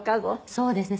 そうですね。